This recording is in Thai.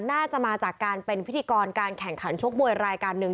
น่าจะมาจากการเป็นพิธีกรการแข่งขันชกมวยรายการหนึ่ง